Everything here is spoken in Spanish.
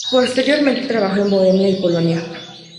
Posteriormente trabajó en Bohemia y Polonia.